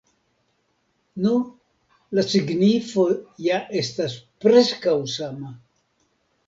Nu, la signifo ja estas preskaŭ sama.